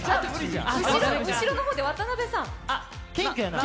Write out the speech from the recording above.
後ろの方で渡辺さん。